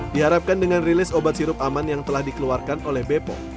diharapkan dengan rilis obat sirup aman yang telah dikeluarkan oleh bepom